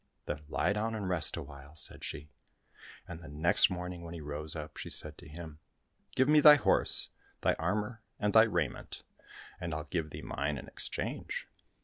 —" Then lie down and rest awhile," said she. And the next morning, when he rose up, she said to him, " Give me thy horse, thy armour, and thy raiment, and I'll give thee mine in exchange."